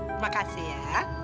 terima kasih ya